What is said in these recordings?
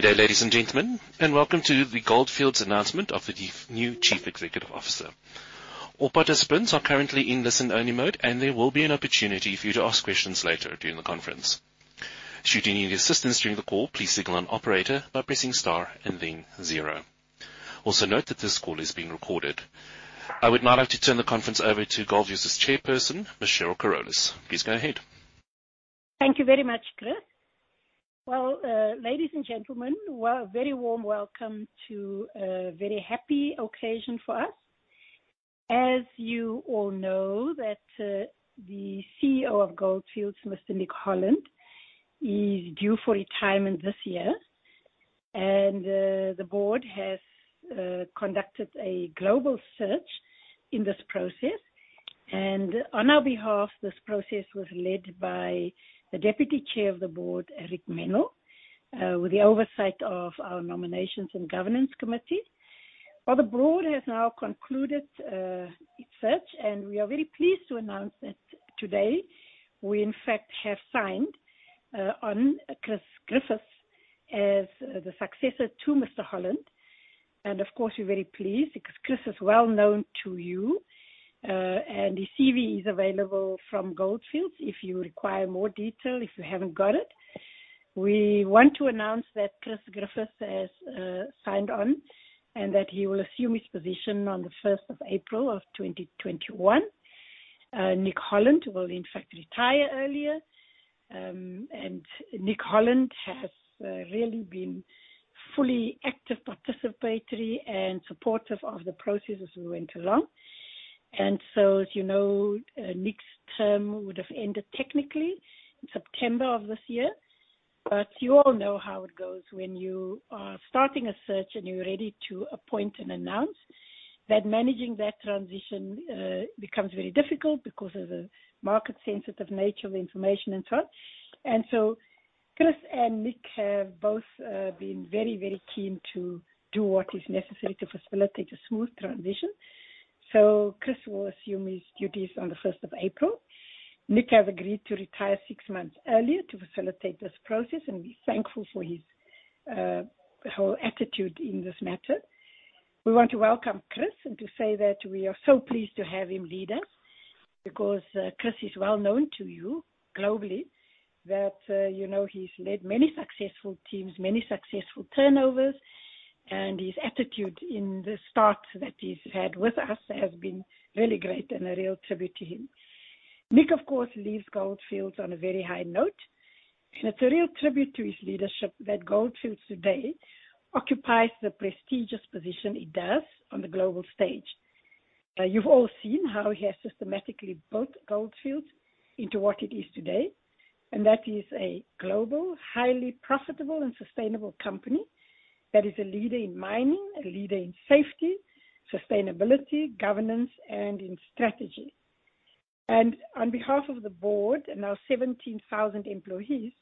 Good day, ladies and gentlemen, welcome to the Gold Fields announcement of the new Chief Executive Officer. All participants are currently in listen-only mode, and there will be an opportunity for you to ask questions later during the conference. Should you need any assistance during the call, please signal an operator by pressing star and then zero. Note that this call is being recorded. I would now like to turn the conference over to Gold Fields' Chairperson, Ms. Cheryl Carolus. Please go ahead. Thank you very much, Chris. Well, ladies and gentlemen, a very warm welcome to a very happy occasion for us. As you all know that the CEO of Gold Fields, Mr. Nick Holland, is due for retirement this year. The board has conducted a global search in this process. On our behalf, this process was led by the Deputy Chairperson of the board, Rick Menell, with the oversight of our nominations and governance committees. The board has now concluded its search, and we are very pleased to announce that today, we in fact have signed on Chris Griffith as the successor to Mr. Holland. Of course, we're very pleased because Chris is well known to you. His CV is available from Gold Fields, if you require more detail, if you haven't got it. We want to announce that Chris Griffith has signed on and that he will assume his position on the 1st of April 2021. Nick Holland will in fact retire earlier. Nick Holland has really been fully active, participatory, and supportive of the process as we went along. As you know, Nick's term would have ended technically in September of this year. You all know how it goes when you are starting a search and you're ready to appoint and announce, that managing that transition becomes very difficult because of the market-sensitive nature of the information and so on. Chris and Nick have both been very, very keen to do what is necessary to facilitate a smooth transition. Chris will assume his duties on the 1st of April. Nick has agreed to retire six months earlier to facilitate this process, and we're thankful for his whole attitude in this matter. We want to welcome Chris and to say that we are so pleased to have him lead us because Chris is well known to you globally, that you know he's led many successful teams, many successful turnovers, and his attitude in the start that he's had with us has been really great and a real tribute to him. Nick, of course, leaves Gold Fields on a very high note, and it's a real tribute to his leadership that Gold Fields today occupies the prestigious position it does on the global stage. You've all seen how he has systematically built Gold Fields into what it is today. That is a global, highly profitable, and sustainable company that is a leader in mining, a leader in safety, sustainability, governance, and in strategy. On behalf of the board and our 17,000 employees,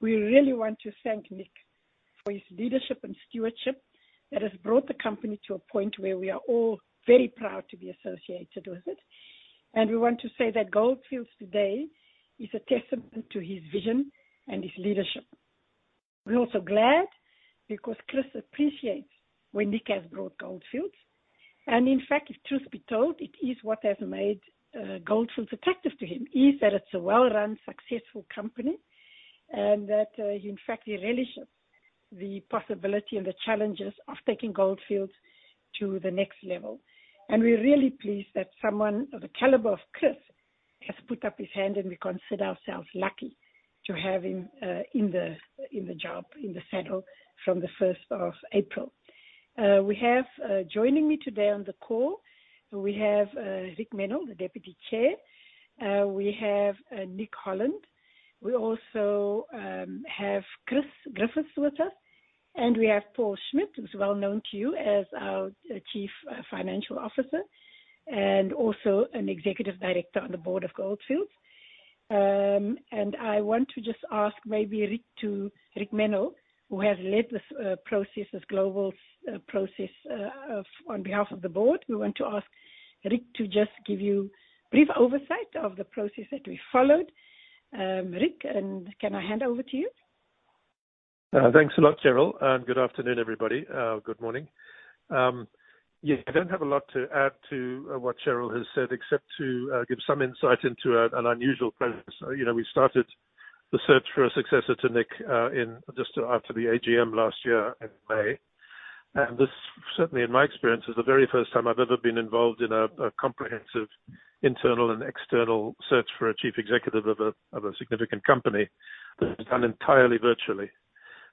we really want to thank Nick for his leadership and stewardship that has brought the company to a point where we are all very proud to be associated with it. We want to say that Gold Fields today is a testament to his vision and his leadership. We're also glad because Chris appreciates where Nick has brought Gold Fields. In fact, if truth be told, it is what has made Gold Fields attractive to him, is that it's a well-run, successful company, and that in fact, he relishes the possibility and the challenges of taking Gold Fields to the next level. We're really pleased that someone of the caliber of Chris has put up his hand, and we consider ourselves lucky to have him in the job, in the saddle from the 1st of April. Joining me today on the call, we have Rick Menell, the Deputy Chair. We have Nick Holland. We also have Chris Griffith with us, and we have Paul Schmidt, who's well known to you as our Chief Financial Officer and also an Executive Director on the board of Gold Fields. I want to just ask maybe Rick Menell, who has led this process, this global process on behalf of the board. We want to ask Rick to just give you a brief oversight of the process that we followed. Rick, can I hand over to you? Thanks a lot, Cheryl, and good afternoon, everybody. Good morning. Yeah, I don't have a lot to add to what Cheryl has said except to give some insight into an unusual process. We started the search for a successor to Nick just after the AGM last year in May. This certainly, in my experience, is the very first time I've ever been involved in a comprehensive internal and external search for a Chief Executive of a significant company that was done entirely virtually.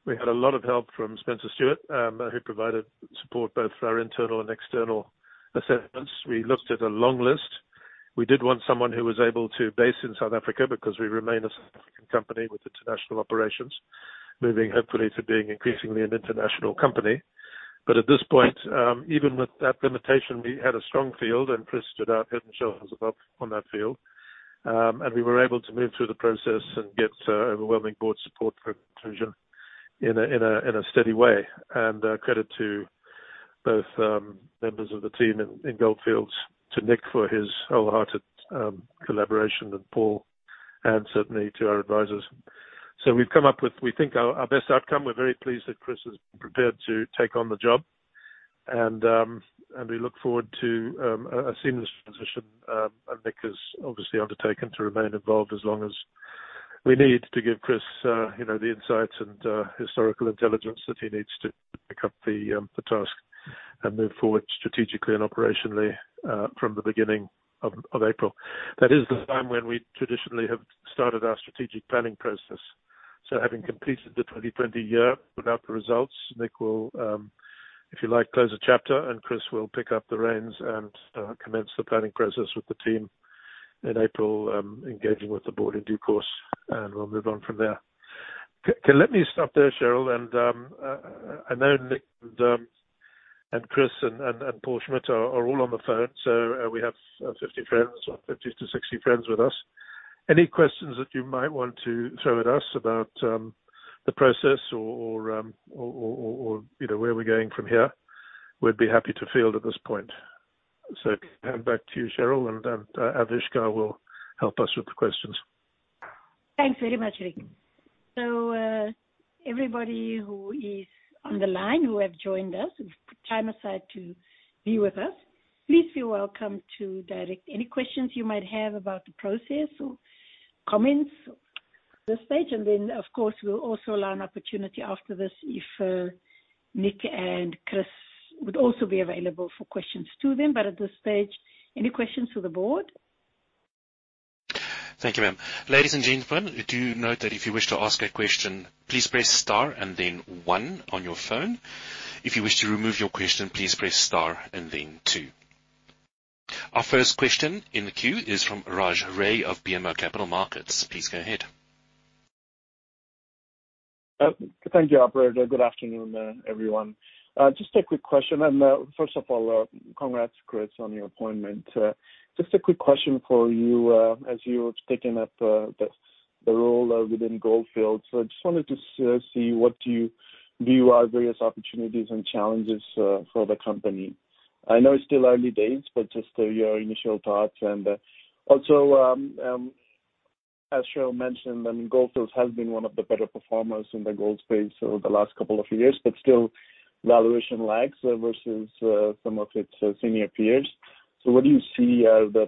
We had a lot of help from Spencer Stuart, who provided support both for our internal and external assessments. We looked at a long list. We did want someone who was able to base in South Africa because we remain a South African company with international operations, moving hopefully to being increasingly an international company. At this point, even with that limitation, we had a strong field, and Chris stood out, head and shoulders above on that field. We were able to move through the process and get overwhelming board support for a conclusion in a steady way. Credit to both members of the team in Gold Fields, to Nick for his wholehearted collaboration, and Paul, and certainly to our advisors. We've come up with, we think, our best outcome. We're very pleased that Chris is prepared to take on the job, and we look forward to a seamless transition. Nick has obviously undertaken to remain involved as long as we need to give Chris the insights and historical intelligence that he needs to pick up the task and move forward strategically and operationally from the beginning of April. That is the time when we traditionally have started our strategic planning process. Having completed the 2020 year, put out the results, Nick will, if you like, close the chapter, and Chris will pick up the reins and commence the planning process with the team in April, engaging with the board in due course, and we'll move on from there. Okay, let me stop there, Cheryl, and I know Nick and Chris and Paul Schmidt are all on the phone. We have 50 friends or 50 to 60 friends with us. Any questions that you might want to throw at us about the process or where we're going from here, we'd be happy to field at this point. Hand back to you, Cheryl, and Avishkarr will help us with the questions. Thanks very much, Rick. Everybody who is on the line who have joined us, who've put time aside to be with us, please feel welcome to direct any questions you might have about the process or comments at this stage. Of course, we'll also allow an opportunity after this if Nick and Chris would also be available for questions to them. At this stage, any questions for the board? Thank you, ma'am. Ladies and gentlemen, do note that if you wish to ask a question, please press star and then one on your phone. If you wish to remove your question, please press star and then two. Our first question in the queue is from Raj Ray of BMO Capital Markets. Please go ahead. Thank you, Operator. Good afternoon, everyone. Just a quick question. First of all, congrats, Chris, on your appointment. Just a quick question for you as you are taking up the role within Gold Fields. I just wanted to see what you view are various opportunities and challenges for the company. I know it is still early days, but just your initial thoughts. Also, as Cheryl mentioned, Gold Fields has been one of the better performers in the gold space over the last couple of years, but still valuation lags versus some of its senior peers. What do you see are the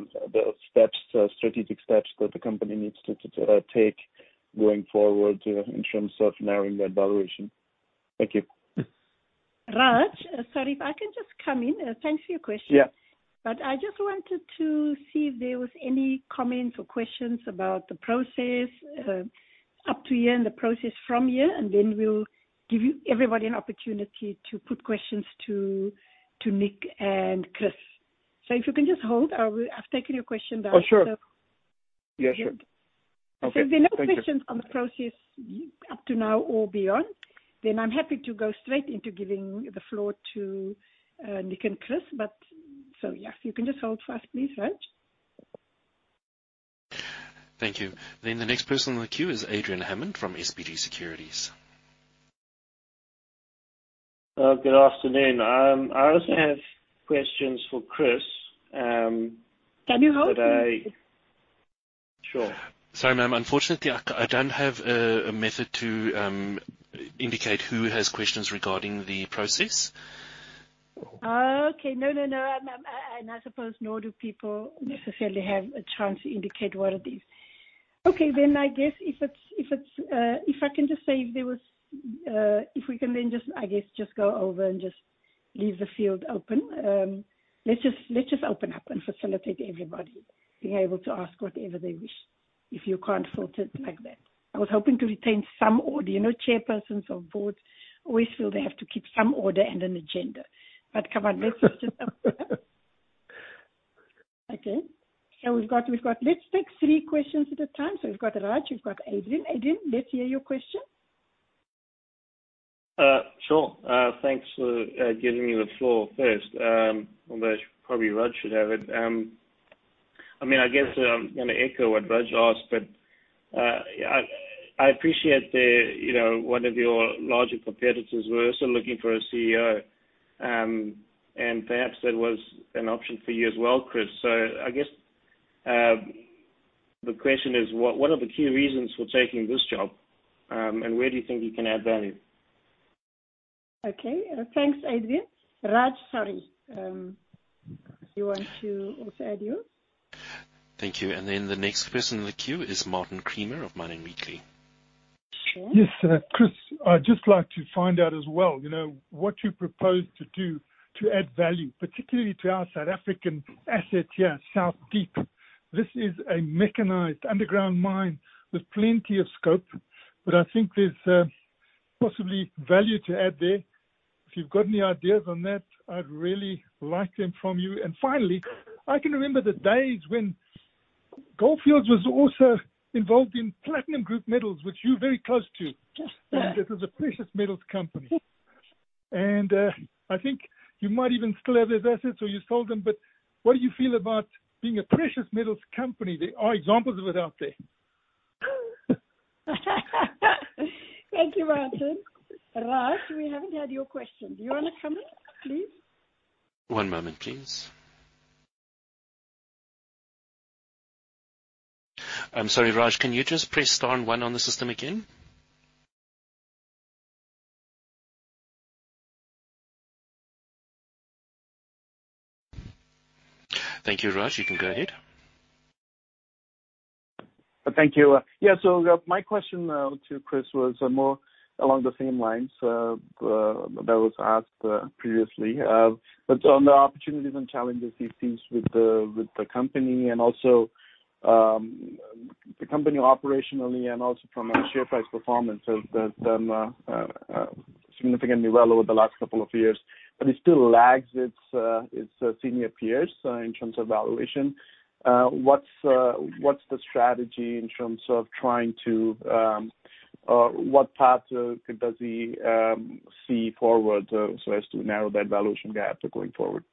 strategic steps that the company needs to take going forward in terms of narrowing that valuation? Thank you. Raj, sorry, if I can just come in. Thanks for your question. Yeah. I just wanted to see if there was any comments or questions about the process up to here and the process from here. We'll give everybody an opportunity to put questions to Nick and Chris. If you can just hold, I've taken your question down. Oh, sure. Yeah, sure. If there's any more questions on the process up to now or beyond, I'm happy to go straight into giving the floor to Nick and Chris. Yeah, if you can just hold for us, please, Raj. Thank you. The next person on the queue is Adrian Hammond from SBG Securities. Good afternoon. I also have questions for Chris. Can you hold, please? Sure. Sorry, ma'am. Unfortunately, I don't have a method to indicate who has questions regarding the process. Okay. No, I suppose nor do people necessarily have a chance to indicate what it is. Okay, I guess if I can just say if we can then just, I guess, go over and just leave the field open. Let's just open up and facilitate everybody being able to ask whatever they wish if you can't sort it like that. I was hoping to retain some order. You know, chairpersons of boards always feel they have to keep some order and an agenda. Come on, let's just open. Okay. Let's take three questions at a time. We've got Raj, we've got Adrian. Adrian, let's hear your question. Sure. Thanks for giving me the floor first. Although probably Raj should have it. I guess I'm going to echo what Raj asked, but I appreciate one of your larger competitors were also looking for a CEO, and perhaps that was an option for you as well, Chris. I guess the question is, what are the key reasons for taking this job, and where do you think you can add value? Okay. Thanks, Adrian. Raj, sorry. You want to also add yours? Thank you. The next person in the queue is Martin Creamer of Mining Weekly. Sure. Yes, Chris, I'd just like to find out as well, what you propose to do to add value, particularly to our South African asset here, South Deep. This is a mechanized underground mine with plenty of scope, but I think there's possibly value to add there. If you've got any ideas on that, I'd really like them from you. Finally, I can remember the days when Gold Fields was also involved in platinum group metals, which you're very close to. Yeah. This is a precious metals company. I think you might even still have those assets or you sold them, what do you feel about being a precious metals company? There are examples of it out there. Thank you, Martin. Raj, we haven't had your question. Do you want to come in, please? One moment, please. I'm sorry, Raj. Can you just press star one on the system again? Thank you, Raj. You can go ahead. Thank you. Yeah. My question to Chris was more along the same lines that was asked previously. On the opportunities and challenges he sees with the company and also the company operationally and also from a share price performance has done significantly well over the last couple of years. It still lags its senior peers in terms of valuation. What's the strategy in terms of what path does he see forward so as to narrow that valuation gap going forward?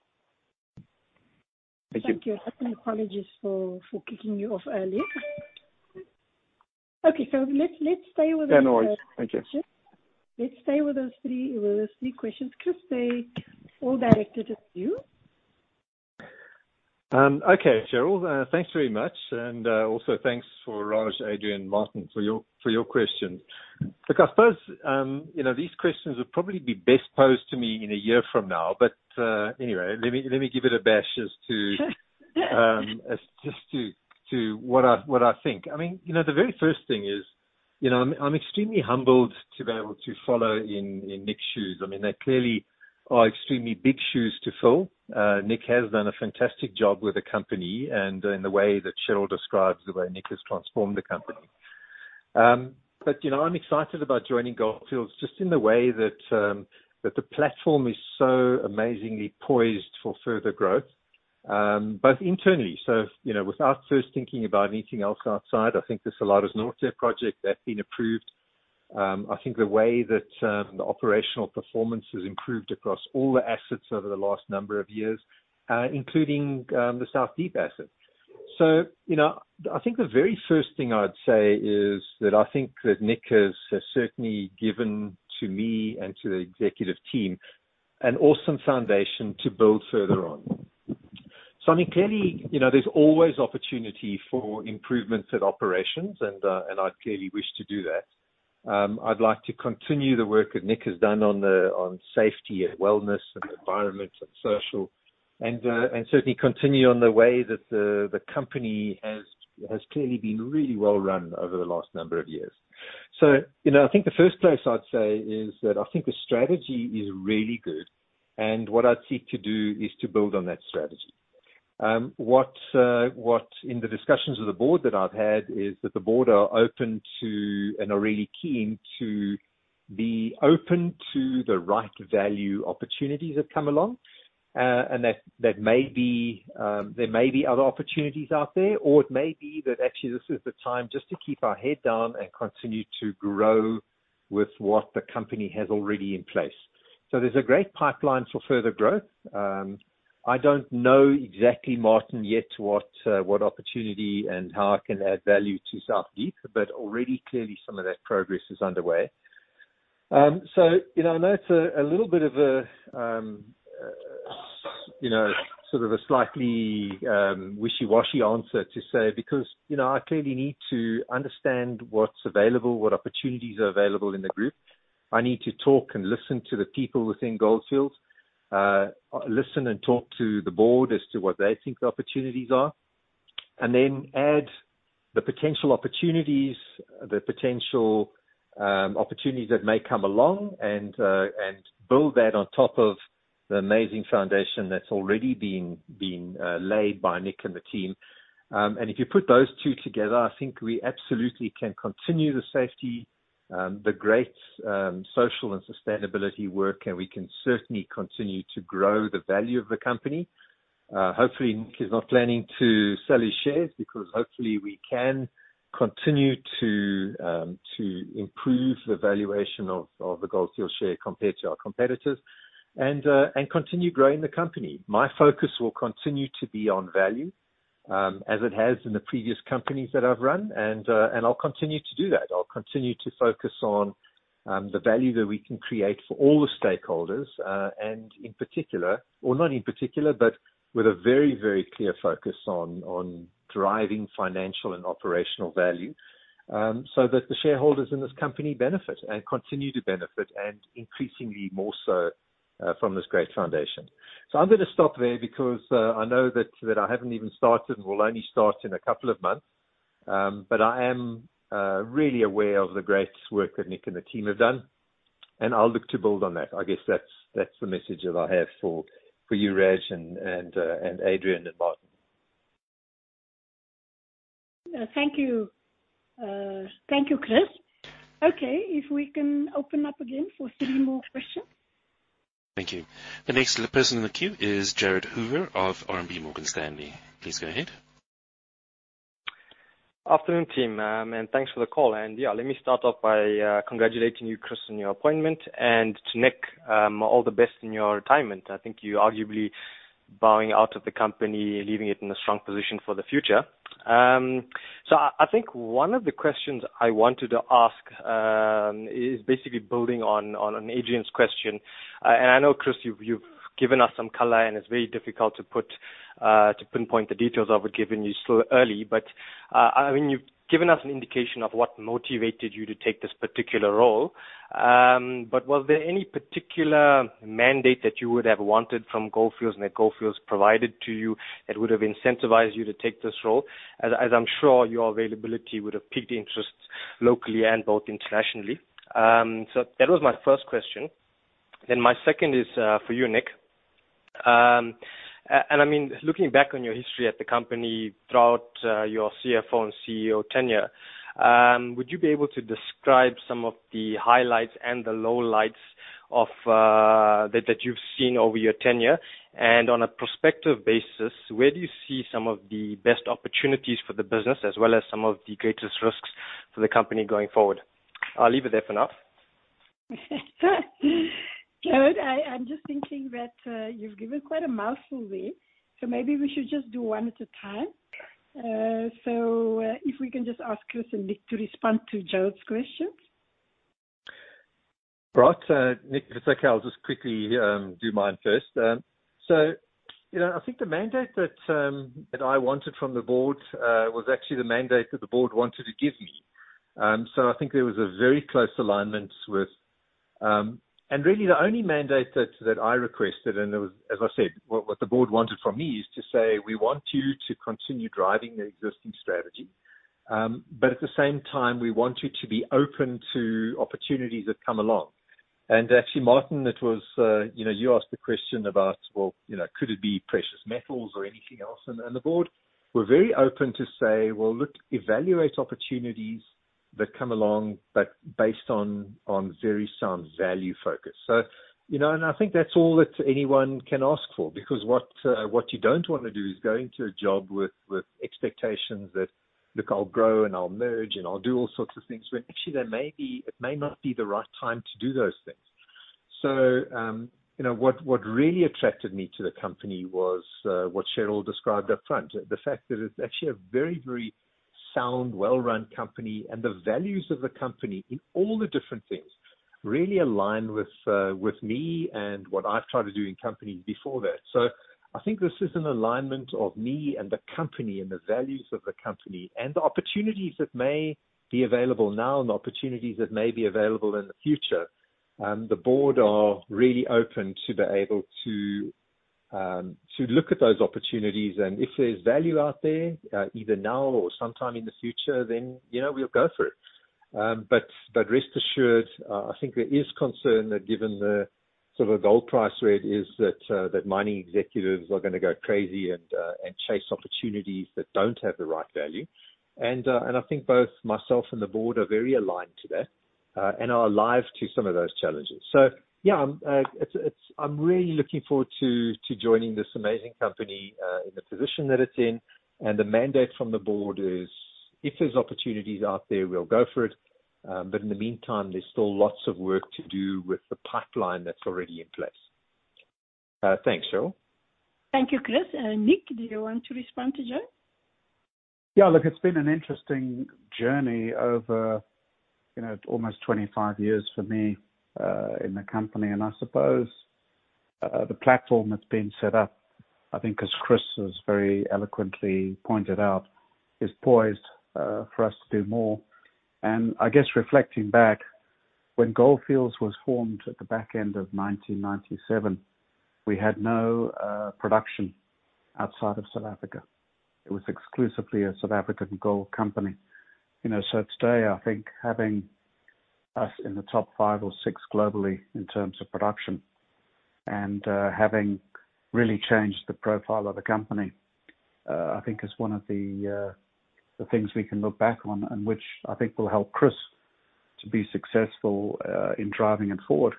Thank you. Thank you. Apologies for kicking you off earlier. Okay. Let's stay with those. Yeah, no worries. Thank you. Let's stay with those three questions. Chris, they're all directed at you. Okay, Cheryl. Thanks very much. Also thanks for Raj, Adrian, Martin, for your questions. Look, I suppose these questions would probably be best posed to me in a year from now. Anyway, let me give it a bash just to what I think. The very first thing is, I'm extremely humbled to be able to follow in Nick's shoes. They clearly are extremely big shoes to fill. Nick has done a fantastic job with the company and in the way that Cheryl describes the way Nick has transformed the company. I'm excited about joining Gold Fields just in the way that the platform is so amazingly poised for further growth, both internally. Without first thinking about anything else outside, I think the Salares Norte project that's been approved. I think the way that the operational performance has improved across all the assets over the last number of years, including the South Deep asset. I think the very first thing I'd say is that I think that Nick has certainly given to me and to the executive team an awesome foundation to build further on. I think clearly, there's always opportunity for improvements at operations, and I clearly wish to do that. I'd like to continue the work that Nick has done on safety and wellness and environment and social and certainly continue on the way that the company has clearly been really well run over the last number of years. I think the first place I'd say is that I think the strategy is really good and what I'd seek to do is to build on that strategy. What in the discussions with the board that I've had is that the board are open to and are really keen to be open to the right value opportunities that come along. That may be, there may be other opportunities out there, or it may be that actually this is the time just to keep our head down and continue to grow with what the company has already in place. There's a great pipeline for further growth. I don't know exactly, Martin, yet what opportunity and how I can add value to South Deep. Already clearly some of that progress is underway. I know it's a little bit of a sort of a slightly wishy-washy answer to say, because I clearly need to understand what's available, what opportunities are available in the group. I need to talk and listen to the people within Gold Fields, listen and talk to the board as to what they think the opportunities are, then add the potential opportunities that may come along and build that on top of the amazing foundation that's already been laid by Nick and the team. If you put those two together, I think we absolutely can continue the safety, the great social and sustainability work, and we can certainly continue to grow the value of the company. Hopefully, Nick is not planning to sell his shares because hopefully we can continue to improve the valuation of the Gold Fields share compared to our competitors and continue growing the company. My focus will continue to be on value, as it has in the previous companies that I've run, I'll continue to do that. I'll continue to focus on the value that we can create for all the stakeholders. Not in particular, but with a very, very clear focus on driving financial and operational value so that the shareholders in this company benefit and continue to benefit, and increasingly more so from this great foundation. I'm going to stop there because I know that I haven't even started and will only start in a couple of months. I am really aware of the great work that Nick and the team have done, and I'll look to build on that. I guess that's the message that I have for you, Raj, and Adrian, and Martin. Thank you. Thank you, Chris. Okay, if we can open up again for three more questions. Thank you. given us an indication of what motivated you to take this particular role. Was there any particular mandate that you would have wanted from Gold Fields and that Gold Fields provided to you that would have incentivized you to take this role? As I'm sure your availability would have piqued interests locally and both internationally. That was my first question. My second is for you, Nick. Looking back on your history at the company throughout your CFO and CEO tenure, would you be able to describe some of the highlights and the lowlights that you've seen over your tenure? On a prospective basis, where do you see some of the best opportunities for the business as well as some of the greatest risks for the company going forward? I'll leave it there for now. Jared, I'm just thinking that you've given quite a mouthful there. Maybe we should just do one at a time. Okay. If we can just ask Chris and Nick to respond to Jared's questions. Right. Nick, if it's okay, I'll just quickly do mine first. I think the mandate that I wanted from the board was actually the mandate that the board wanted to give me. I think there was a very close alignment with. Really, the only mandate that I requested, and as I said, what the board wanted from me is to say, "We want you to continue driving the existing strategy. At the same time, we want you to be open to opportunities that come along." Actually, Martin, you asked the question about, well, could it be precious metals or anything else? The board were very open to say, "Well, look, evaluate opportunities that come along, but based on very sound value focus." I think that's all that anyone can ask for, because what you don't want to do is go into a job with expectations that, look, I'll grow and I'll merge and I'll do all sorts of things when actually it may not be the right time to do those things. What really attracted me to the company was what Cheryl described up front. The fact that it's actually a very, very sound, well-run company, and the values of the company in all the different things really align with me and what I've tried to do in companies before that. I think this is an alignment of me and the company and the values of the company and the opportunities that may be available now and opportunities that may be available in the future. The Board are really open to be able to look at those opportunities. If there's value out there, either now or sometime in the future, then we'll go for it. Rest assured, I think there is concern that given the sort of gold price where it is, that mining executives are gonna go crazy and chase opportunities that don't have the right value. I think both myself and the Board are very aligned to that and are alive to some of those challenges. Yeah, I'm really looking forward to joining this amazing company in the position that it's in. The mandate from the board is if there's opportunities out there, we'll go for it. In the meantime, there's still lots of work to do with the pipeline that's already in place. Thanks, Cheryl. Thank you, Chris. Nick, do you want to respond to Jared? Yeah, look, it's been an interesting journey over almost 25 years for me in the company. I suppose the platform that's been set up, I think, as Chris has very eloquently pointed out, is poised for us to do more. I guess reflecting back, when Gold Fields was formed at the back end of 1997, we had no production outside of South Africa. It was exclusively a South African gold company. Today, I think having us in the top five or six globally in terms of production and having really changed the profile of the company, I think is one of the things we can look back on and which I think will help Chris to be successful in driving it forward.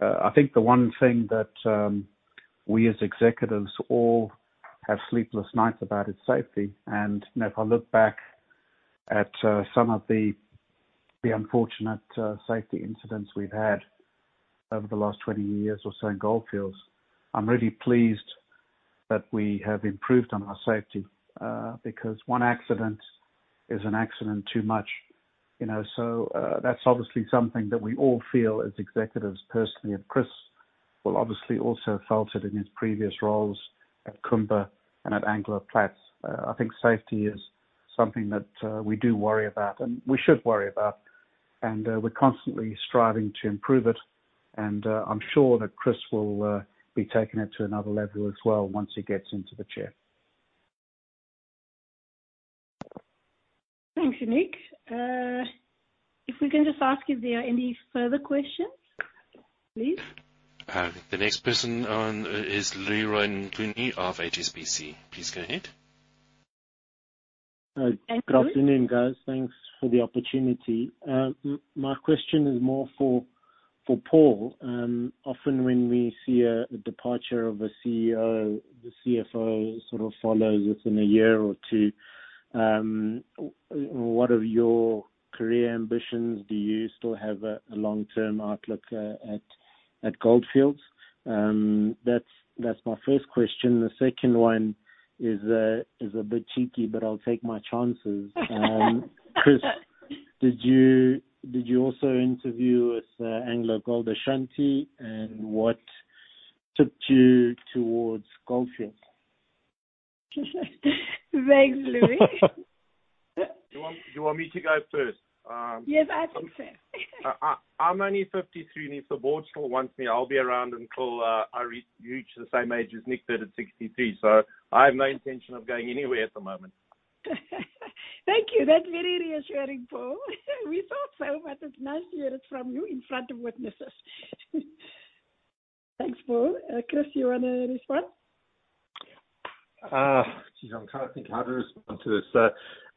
I think the one thing that we as executives all have sleepless nights about is safety. If I look back at some of the unfortunate safety incidents we've had over the last 20 years or so in Gold Fields, I'm really pleased that we have improved on our safety because one accident is an accident too much. That's obviously something that we all feel as executives personally and Chris will obviously also have felt it in his previous roles at Kumba and at Anglo Plat. I think safety is something that we do worry about and we should worry about, and we're constantly striving to improve it, and I'm sure that Chris will be taking it to another level as well once he gets into the chair. Thanks, Nick. If we can just ask if there are any further questions, please. The next person on is Leroy Mnguni of HSBC. Please go ahead. Hi, Leroy. Good afternoon, guys. Thanks for the opportunity. My question is more for Paul. Often when we see a departure of a CEO, the CFO sort of follows within a year or two. What are your career ambitions? Do you still have a long-term outlook at Gold Fields? That's my first question. The second one is a bit cheeky, but I'll take my chances. Chris, did you also interview with AngloGold Ashanti, and what tipped you towards Gold Fields? Thanks, Leroy. You want me to go first? Yes, I think so. I'm only 53, and if the board still wants me, I'll be around until I reach the same age as Nick did at 63. I have no intention of going anywhere at the moment. Thank you. That's very reassuring, Paul. We thought so, but it's nice to hear it from you in front of witnesses. Thanks, Paul. Chris, you want to respond? Geez, I'm trying to think how to respond to this.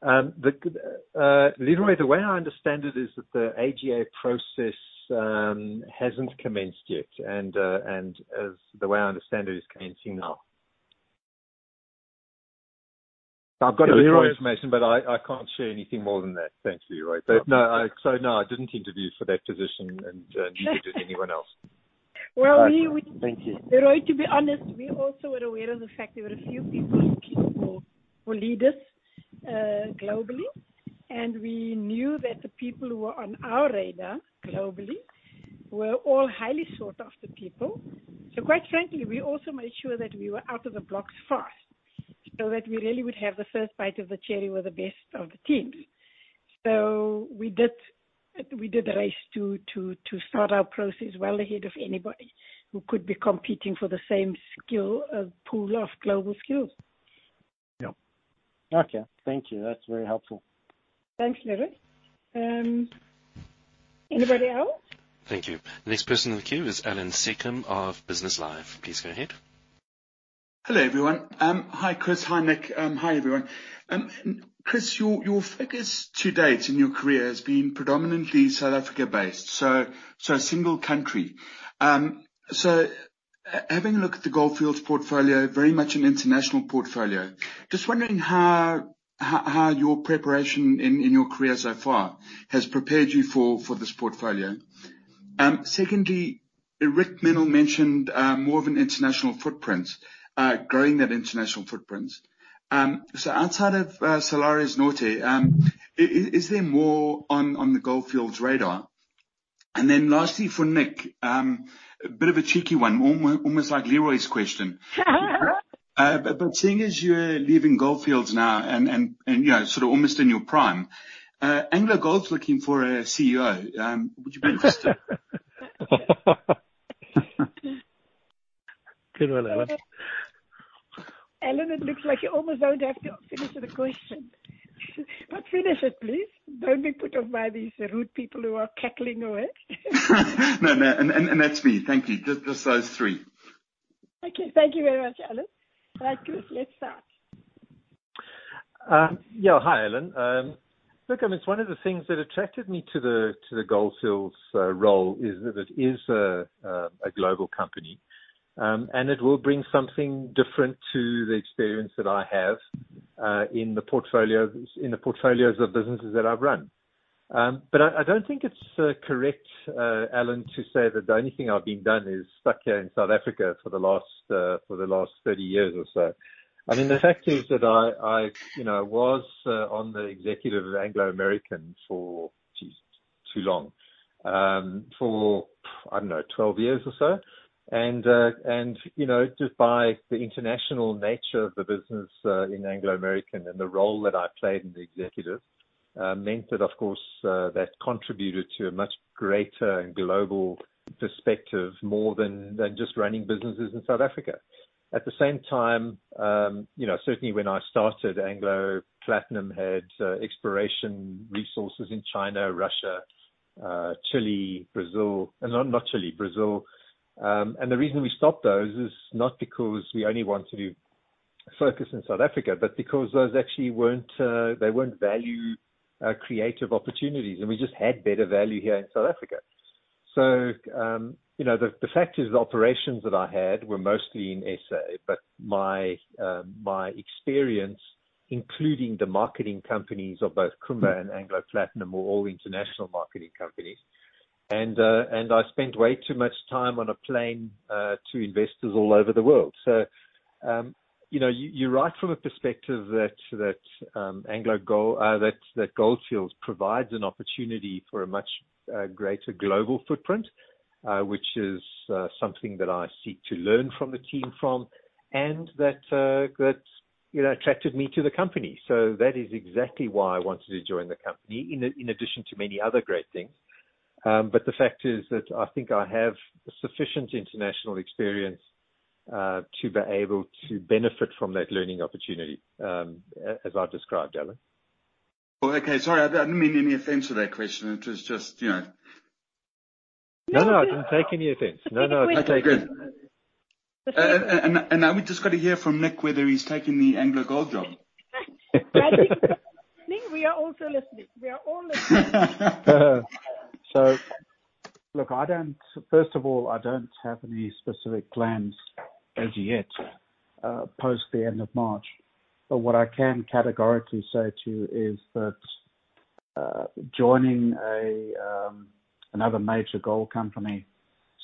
Leroy, the way I understand it is that the AGA process hasn't commenced yet, and the way I understand it is commencing now. I've got a little information, but I can't share anything more than that. Thanks, Leroy. No, I didn't interview for that position and neither did anyone else. Well, Thank you. Leroy, to be honest, we also were aware of the fact there were a few people looking for leaders globally, and we knew that the people who were on our radar globally were all highly sought-after people. Quite frankly, we also made sure that we were out of the blocks fast so that we really would have the first bite of the cherry with the best of the teams. We did a race to start our process well ahead of anybody who could be competing for the same skill, pool of global skills. Yeah. Okay. Thank you. That's very helpful. Thanks, Leroy. Anybody else? Thank you. Next person in the queue is Allan Seccombe of BusinessLIVE. Please go ahead. Hello, everyone. Hi, Chris. Hi, Nick. Hi, everyone. Chris, your focus to date in your career has been predominantly South Africa-based, a single country. Having a look at the Gold Fields portfolio, very much an international portfolio, just wondering how your preparation in your career so far has prepared you for this portfolio. Secondly, Rick Menell mentioned more of an international footprint, growing that international footprint. Outside of Salares Norte, is there more on the Gold Fields radar? Lastly, for Nick, a bit of a cheeky one, almost like Leroy's question. Seeing as you're leaving Gold Fields now and sort of almost in your prime, AngloGold's looking for a CEO. Would you be interested? Good one, Allan. Allan, it looks like you almost don't have to finish the question. Finish it, please. Don't be put off by these rude people who are cackling away. No. That's me. Thank you. Just those three. Okay. Thank you very much, Allan. Right, Chris, let's start. Yeah. Hi, Allan. Look, it's one of the things that attracted me to the Gold Fields role is that it is a global company. It will bring something different to the experience that I have in the portfolios of businesses that I've run. I don't think it's correct, Allan, to say that the only thing I've been done is stuck here in South Africa for the last 30 years or so. I mean, the fact is that I was on the executive of Anglo American for, Jesus, too long, for, I don't know, 12 years or so. Just by the international nature of the business in Anglo American and the role that I played in the executive meant that, of course, that contributed to a much greater and global perspective, more than just running businesses in South Africa. At the same time, certainly when I started, Anglo Platinum had exploration resources in China, Russia, Chile, Brazil. No, not Chile, Brazil. The reason we stopped those is not because we only want to focus in South Africa, but because those actually they weren't value creative opportunities, and we just had better value here in South Africa. The fact is, the operations that I had were mostly in SA, but my experience, including the marketing companies of both Kumba and Anglo Platinum, were all international marketing companies. I spent way too much time on a plane to investors all over the world. You're right from a perspective that Gold Fields provides an opportunity for a much greater global footprint, which is something that I seek to learn from the team from, and that attracted me to the company. That is exactly why I wanted to join the company, in addition to many other great things. The fact is that I think I have sufficient international experience to be able to benefit from that learning opportunity, as I've described, Allan. Okay. Sorry, I didn't mean any offense to that question. No, I didn't take any offense. No. Okay, good. Now we just got to hear from Nick whether he's taking the AngloGold job. Nick, we are also listening. We are all listening. Look, first of all, I don't have any specific plans as yet post the end of March. What I can categorically say to you is that joining another major gold company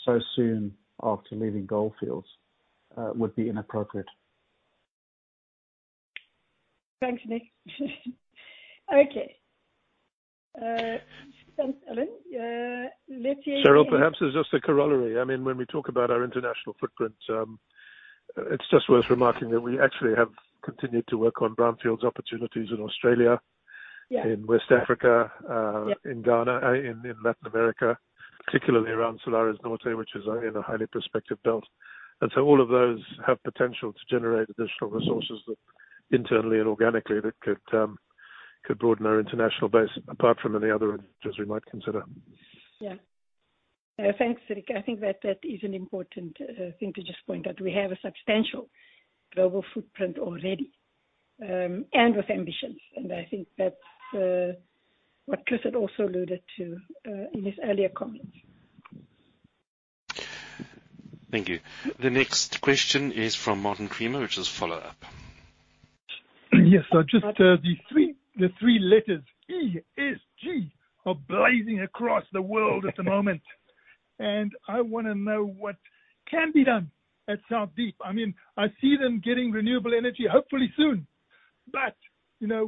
so soon after leaving Gold Fields would be inappropriate. Thanks, Nick. Okay. Allan? Cheryl, perhaps it's just a corollary. When we talk about our international footprint, it's just worth remarking that we actually have continued to work on brownfields opportunities in Australia. Yeah in West Africa. Yeah in Ghana, in Latin America, particularly around Salares Norte, which is in a highly prospective belt. All of those have potential to generate additional resources internally and organically that could broaden our international base apart from any other ventures we might consider. Yeah. Thanks, Rick. I think that is an important thing to just point out. We have a substantial global footprint already, and with ambitions. I think that's what Chris had also alluded to in his earlier comments. Thank you. The next question is from Martin Creamer, which is a follow-up. Yes. Just the three letters, ESG, are blazing across the world at the moment, and I want to know what can be done at South Deep. I see them getting renewable energy, hopefully soon.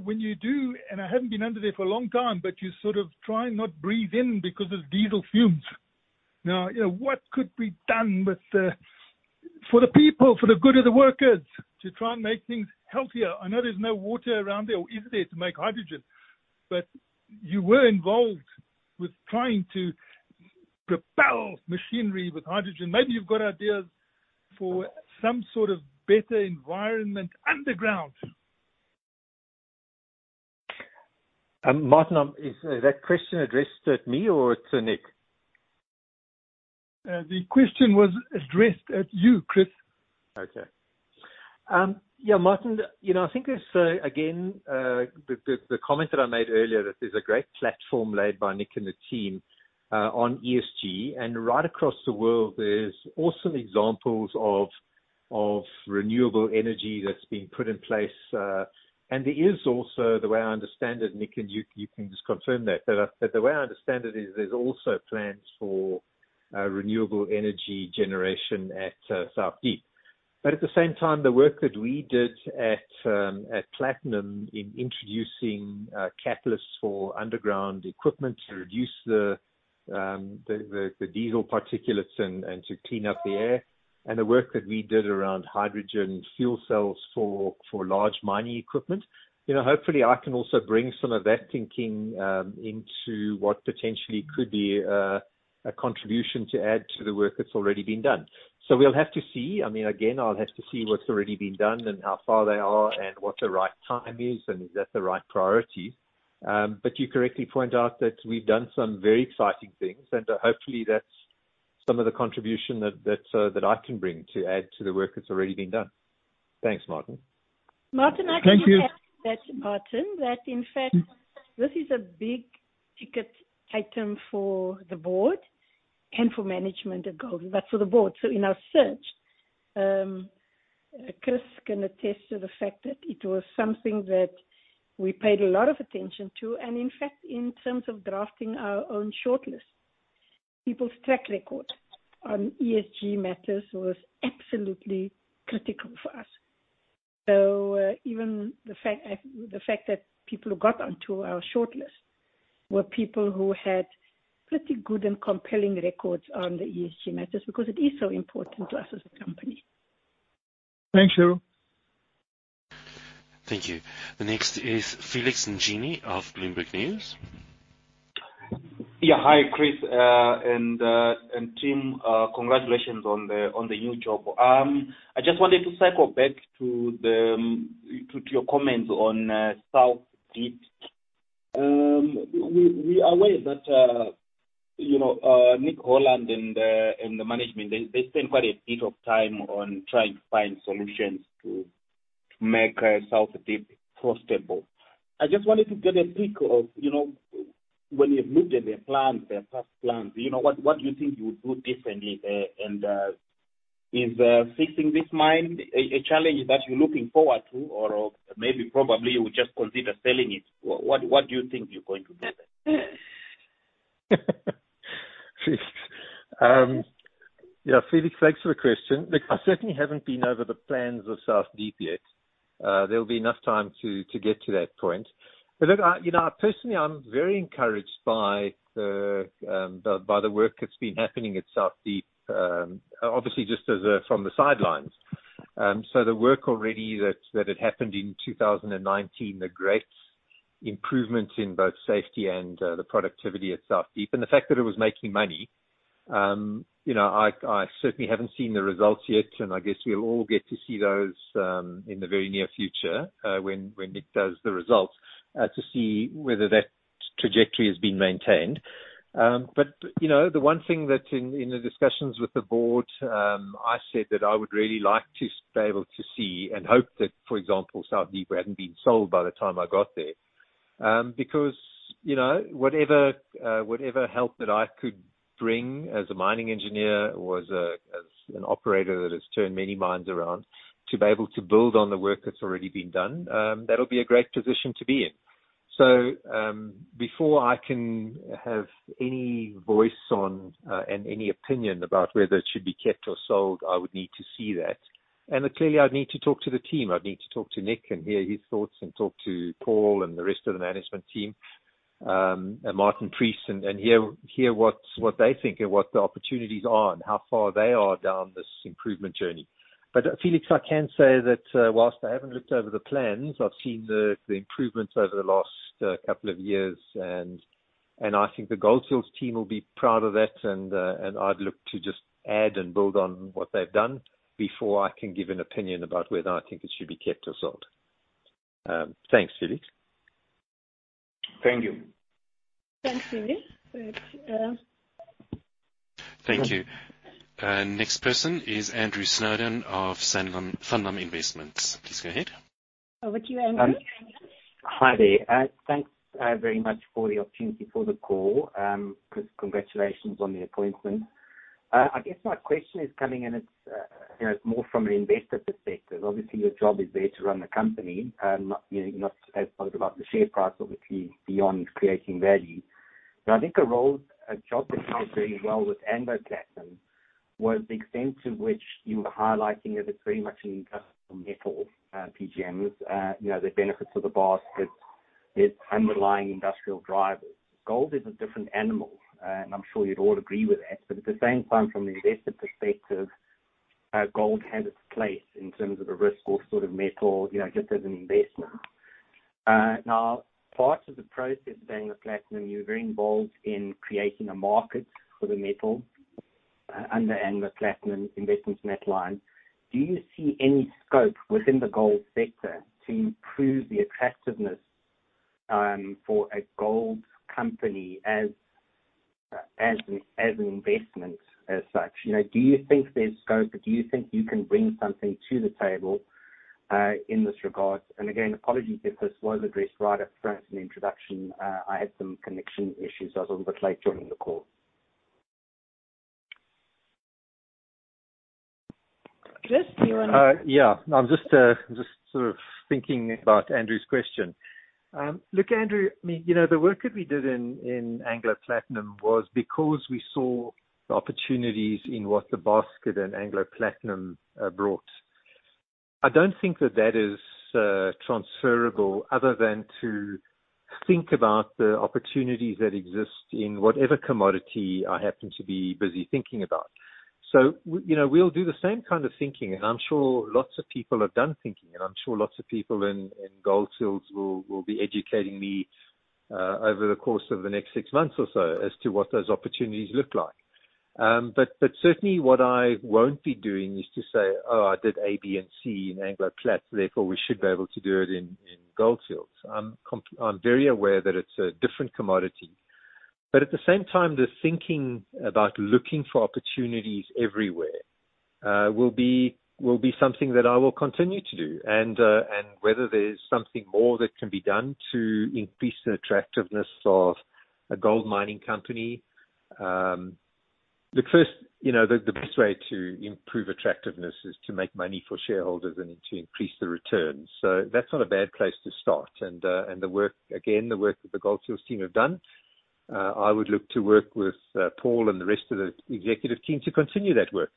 When you do, and I haven't been under there for a long time, but you sort of try and not breathe in because of diesel fumes. What could be done for the people, for the good of the workers to try and make things healthier? I know there's no water around there, or is there to make hydrogen. You were involved with trying to propel machinery with hydrogen. Maybe you've got ideas for some sort of better environment underground. Martin, is that question addressed at me or to Nick? The question was addressed at you, Chris. Okay. Yeah, Martin, I think there's, again, the comment that I made earlier, that there's a great platform laid by Nick and the team on ESG. Right across the world, there's awesome examples of renewable energy that's being put in place. There is also, the way I understand it, Nick, and you can just confirm that, but the way I understand it is there's also plans for renewable energy generation at South Deep. At the same time, the work that we did at Platinum in introducing catalysts for underground equipment to reduce the diesel particulates and to clean up the air, and the work that we did around hydrogen fuel cells for large mining equipment. Hopefully I can also bring some of that thinking into what potentially could be a contribution to add to the work that's already been done. We'll have to see. I'll have to see what's already been done and how far they are and what the right time is, and is that the right priority. You correctly point out that we've done some very exciting things, and hopefully that's some of the contribution that I can bring to add to the work that's already been done. Thanks, Martin. Thank you. Martin, I can just add to that, Martin, that in fact, this is a big-ticket item for the board and for management at Gold. For the board. In our search, Chris can attest to the fact that it was something that we paid a lot of attention to. In fact, in terms of drafting our own shortlist, people's track record on ESG matters was absolutely critical for us. Even the fact that people who got onto our shortlist were people who had pretty good and compelling records on the ESG matters, because it is so important to us as a company. Thanks, Cheryl. Thank you. The next is Felix Njini of Bloomberg News. Yeah. Hi, Chris, and team. Congratulations on the new job. I just wanted to cycle back to your comments on South Deep. We are aware that Nick Holland and the management, they spent quite a bit of time on trying to find solutions to make South Deep profitable. I just wanted to get a peek of when you've looked at their plans, their past plans, what do you think you would do differently? Is fixing this mine a challenge that you're looking forward to? Maybe probably you would just consider selling it. What do you think you're going to do? Felix, thanks for the question. Look, I certainly haven't been over the plans of South Deep yet. There'll be enough time to get to that point. Look, personally, I'm very encouraged by the work that's been happening at South Deep, obviously just from the sidelines. The work already that had happened in 2019, the great improvements in both safety and the productivity at South Deep, and the fact that it was making money. I certainly haven't seen the results yet, and I guess we'll all get to see those in the very near future when Nick does the results to see whether that trajectory has been maintained. The one thing that in the discussions with the board, I said that I would really like to be able to see and hope that, for example, South Deep hadn't been sold by the time I got there. Whatever help that I could bring as a mining engineer or as an operator that has turned many mines around to be able to build on the work that's already been done, that'll be a great position to be in. Before I can have any voice on and any opinion about whether it should be kept or sold, I would need to see that. Clearly, I'd need to talk to the team. I'd need to talk to Nick and hear his thoughts and talk to Paul and the rest of the management team, and Martin Preece and hear what they think and what the opportunities are and how far they are down this improvement journey. Felix, I can say that whilst I haven't looked over the plans, I've seen the improvements over the last couple of years and I think the Gold Fields team will be proud of that and I'd look to just add and build on what they've done before I can give an opinion about whether I think it should be kept or sold. Thanks, Felix. Thank you. Thanks, Felix. Thank you. Next person is Andrew Snowdowne of Sanlam Investment. Please go ahead. Over to you, Andrew. Hi there. Thanks very much for the opportunity for the call. Congratulations on the appointment. I guess my question is coming in, it's more from an investor perspective. Obviously, your job is there to run the company, not as much about the share price, obviously, beyond creating value. I think a job that you did very well with Anglo Platinum was the extent to which you were highlighting it as very much an industrial metal, PGMs, the benefits of the basket, its underlying industrial drivers. Gold is a different animal, I'm sure you'd all agree with that. At the same time, from an investor perspective, gold has its place in terms of a risk or sort of metal, just as an investment. Now, part of the process at Anglo Platinum, you were very involved in creating a market for the metal under Anglo Platinum Investments metal line. Do you see any scope within the gold sector to improve the attractiveness for a gold company as an investment as such? Do you think there's scope or do you think you can bring something to the table in this regard? Again, apologies if this was addressed right up front in the introduction. I had some connection issues. I was a little bit late joining the call. Chris. I'm just sort of thinking about Andrew's question. Look, Andrew, the work that we did in Anglo Platinum was because we saw the opportunities in what the basket and Anglo Platinum brought. I don't think that that is transferable other than to think about the opportunities that exist in whatever commodity I happen to be busy thinking about. We'll do the same kind of thinking, and I'm sure lots of people have done thinking, and I'm sure lots of people in Gold Fields will be educating me over the course of the next six months or so as to what those opportunities look like. Certainly what I won't be doing is to say, "Oh, I did A, B, and C in Anglo Plat, therefore we should be able to do it in Gold Fields." I'm very aware that it's a different commodity. At the same time, the thinking about looking for opportunities everywhere will be something that I will continue to do. Whether there is something more that can be done to increase the attractiveness of a Gold Fields mining company. The best way to improve attractiveness is to make money for shareholders and to increase the returns. That is not a bad place to start. Again, the work that the Gold Fields team have done, I would look to work with Paul and the rest of the executive team to continue that work.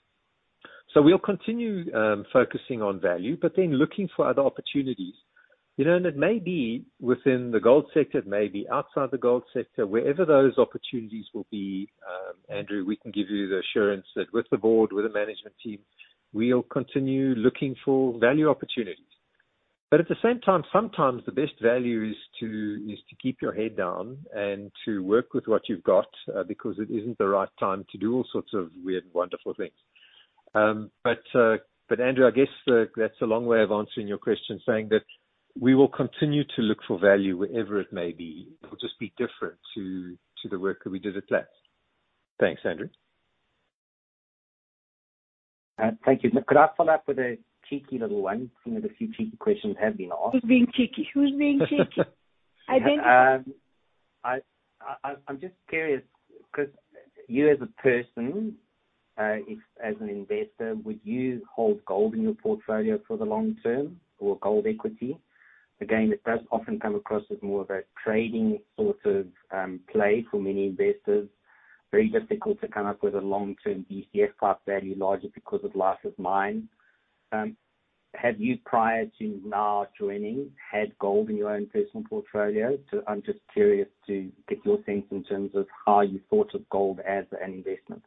We will continue focusing on value, looking for other opportunities. It may be within the gold sector, it may be outside the gold sector. Wherever those opportunities will be, Andrew, we can give you the assurance that with the board, with the management team, we will continue looking for value opportunities. At the same time, sometimes the best value is to keep your head down and to work with what you've got, because it isn't the right time to do all sorts of weird and wonderful things. Andrew, I guess that's a long way of answering your question, saying that we will continue to look for value wherever it may be. It will just be different to the work that we did at Plat. Thanks, Andrew. Thank you. Could I follow up with a cheeky little one? A few cheeky questions have been asked. Who's being cheeky? Who's being cheeky? Identify. I'm just curious, because you as a person, as an investor, would you hold gold in your portfolio for the long term or gold equity? Again, it does often come across as more of a trading sort of play for many investors. Very difficult to come up with a long-term DCF type value, largely because of life of mine. Have you, prior to now joining, had gold in your own personal portfolio? I'm just curious to get your sense in terms of how you thought of gold as an investment.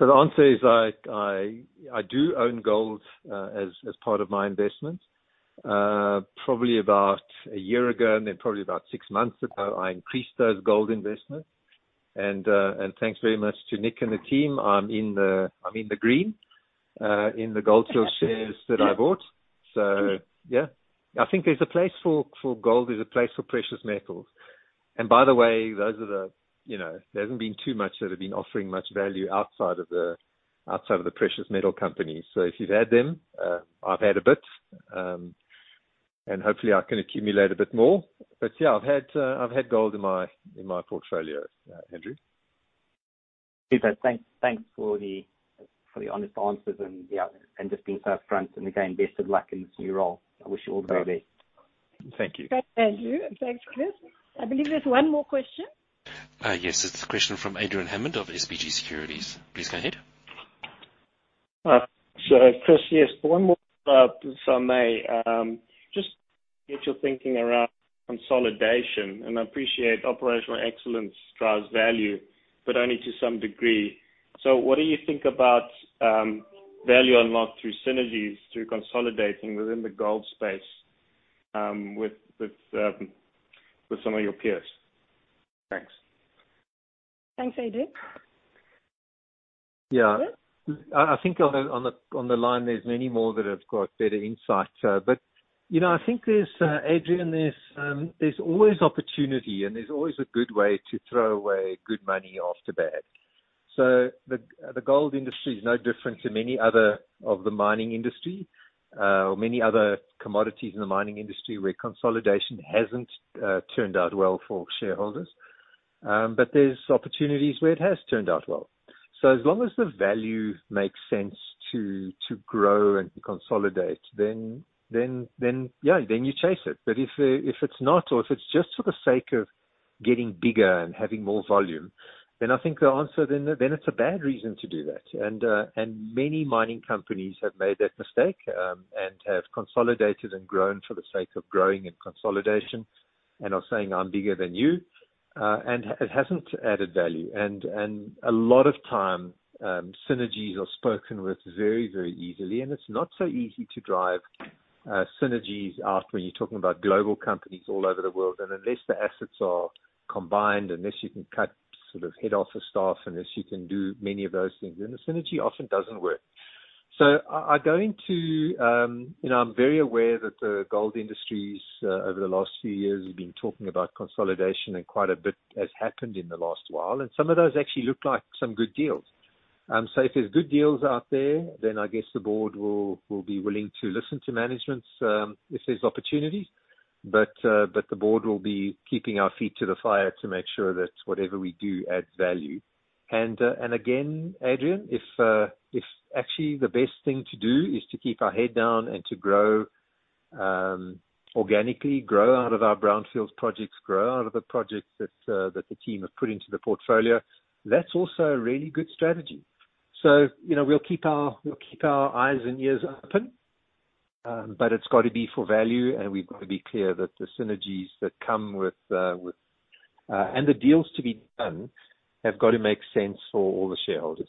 The answer is, I do own gold as part of my investment. Probably about one year ago, and then probably about six months ago, I increased those gold investments. Thanks very much to Nick and the team, I'm in the green in the Gold Fields shares that I bought. Yeah. I think there's a place for gold, there's a place for precious metals. By the way, there hasn't been too much that have been offering much value outside of the precious metal companies. If you've had them, I've had a bit, and hopefully I can accumulate a bit more. Yeah, I've had gold in my portfolio, Andrew. Thanks for the honest answers and just being so upfront, and again, best of luck in this new role. I wish you all the very best. Thank you. Thanks, Andrew. Thanks, Chris. I believe there is one more question. Yes. It's a question from Adrian Hammond of SBG Securities. Please go ahead. Chris, yes, one more, if I may. Just get your thinking around consolidation. I appreciate operational excellence drives value, but only to some degree. What do you think about value unlocked through synergies, through consolidating within the gold space with some of your peers? Thanks. Thanks, Adrian. Yeah. I think on the line there's many more that have got better insight. I think, Adrian, there's always opportunity and there's always a good way to throw away good money after bad. The gold industry is no different to many other of the mining industry, or many other commodities in the mining industry, where consolidation hasn't turned out well for shareholders. There's opportunities where it has turned out well. As long as the value makes sense to grow and consolidate, then, yeah, then you chase it. If it's not or if it's just for the sake of getting bigger and having more volume, then I think the answer, then it's a bad reason to do that. Many mining companies have made that mistake, and have consolidated and grown for the sake of growing and consolidation and are saying, "I'm bigger than you." It hasn't added value. A lot of time, synergies are spoken with very, very easily. It's not so easy to drive synergies out when you're talking about global companies all over the world. Unless the assets are combined, unless you can cut sort of head office staff, unless you can do many of those things, then the synergy often doesn't work. I'm very aware that the gold industries, over the last few years, have been talking about consolidation and quite a bit has happened in the last while, and some of those actually look like some good deals. If there's good deals out there, I guess the board will be willing to listen to management if there's opportunities. The board will be keeping our feet to the fire to make sure that whatever we do adds value. Again, Adrian, if actually the best thing to do is to keep our head down and to grow organically, grow out of our brownfield projects, grow out of the projects that the team have put into the portfolio, that's also a really good strategy. We'll keep our eyes and ears open, but it's got to be for value, and we've got to be clear that the synergies and the deals to be done have got to make sense for all the shareholders.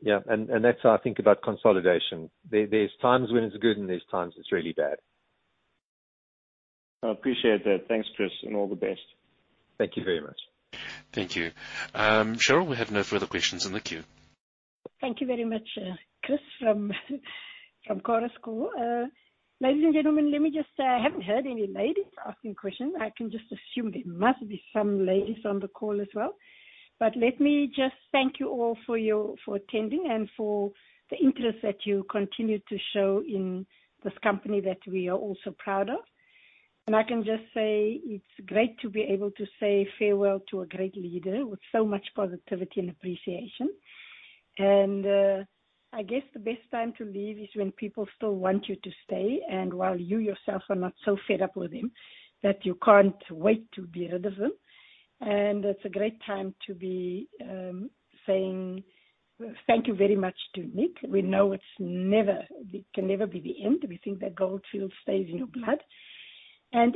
Yeah. That's how I think about consolidation. There's times when it's good and there's times it's really bad. I appreciate that. Thanks, Chris, and all the best. Thank you very much. Thank you. Cheryl, we have no further questions in the queue. Thank you very much, Chris from Chorus Call. Ladies and gentlemen, let me just say I haven't heard any ladies asking questions. I can just assume there must be some ladies on the call as well. Let me just thank you all for attending and for the interest that you continue to show in this company that we are all so proud of. I can just say it's great to be able to say farewell to a great leader with so much positivity and appreciation. I guess the best time to leave is when people still want you to stay, and while you yourself are not so fed up with them that you can't wait to be rid of them. It's a great time to be saying thank you very much to Nick. We know it can never be the end. We think that Gold Fields stays in your blood.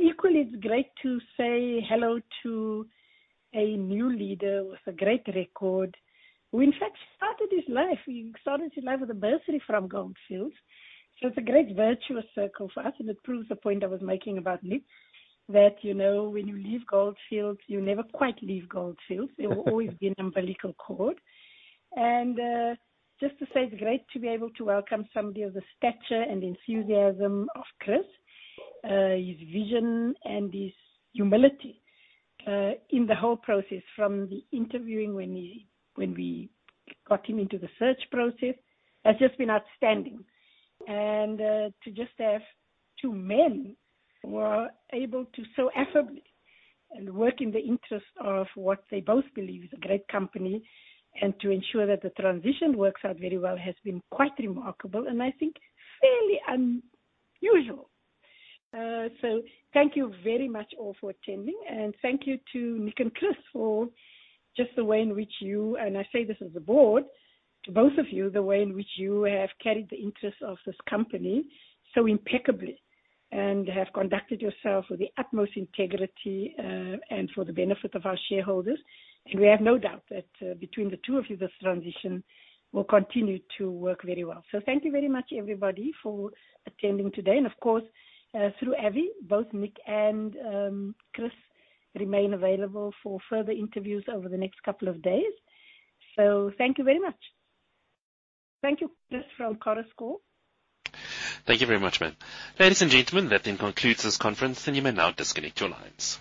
Equally, it's great to say hello to a new leader with a great record, who in fact started his life with a bursary from Gold Fields. It's a great virtuous circle for us, and it proves the point I was making about Nick, that when you leave Gold Fields, you never quite leave Gold Fields. There will always be an umbilical cord. Just to say, it's great to be able to welcome somebody of the stature and enthusiasm of Chris, his vision and his humility, in the whole process from the interviewing when we got him into the search process, has just been outstanding. To just have two men who are able to so affably work in the interest of what they both believe is a great company and to ensure that the transition works out very well has been quite remarkable, and I think fairly unusual. Thank you very much all for attending, and thank you to Nick and Chris for just the way in which you, and I say this as the board, to both of you, the way in which you have carried the interest of this company so impeccably and have conducted yourself with the utmost integrity, and for the benefit of our shareholders. We have no doubt that between the two of you, this transition will continue to work very well. Thank you very much, everybody, for attending today. Of course, through Avi, both Nick and Chris remain available for further interviews over the next couple of days. Thank you very much. Thank you, Chris from Chorus Call. Thank you very much, ma'am. Ladies and gentlemen, that then concludes this conference and you may now disconnect your lines.